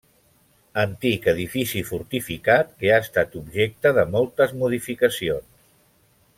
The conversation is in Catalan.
Antic edifici fortificat que ha estat objecte de moltes modificacions.